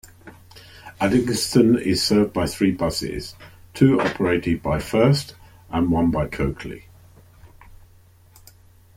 Uddingston is served by three buses, two operated by First and one by Coakley.